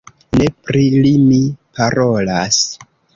Ne pri li mi parolas!